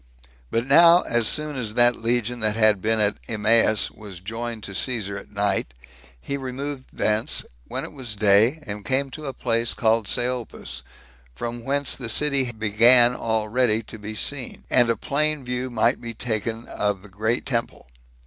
But now, as soon as that legion that had been at Emmaus was joined to Caesar at night, he removed thence, when it was day, and came to a place called Seopus; from whence the city began already to be seen, and a plain view might be taken of the great temple.